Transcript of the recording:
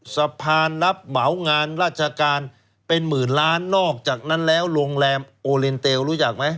สะพานรับเหมางานราชการเป็นหมื่นล้านนอกจากนั้นแล้วโรงแรมโอเลนเตลรู้จักไหม